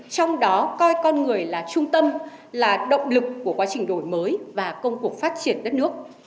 trong đó coi con người là trung tâm là động lực của quá trình đổi mới và công cuộc phát triển đất nước